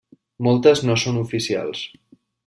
Moltes no són oficials.